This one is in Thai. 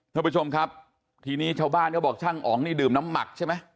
ท่านผู้ชมครับทีนี้ชาวบ้านเขาบอกช่างอ๋องนี่ดื่มน้ำหมักใช่ไหม